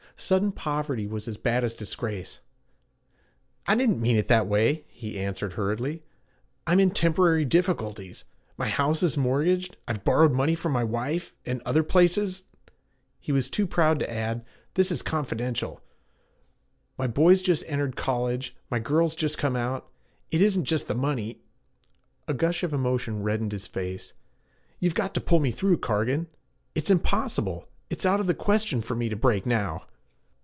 Sudden poverty was as bad as disgrace. 'I didn't mean it that way,' he answered hurriedly. 'I'm in temporary difficulties. My house is mortgaged. I've borrowed money from my wife and other places.' He was too proud to add, 'This is confidential.' 'My boy's just entered college, my girl's just come out. It isn't just the money ' a gush of emotion reddened his face 'You've got to pull me through, Cargan. It's impossible; it's out of the question for me to break now!'